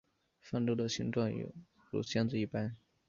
方舟的形状有如箱子一般。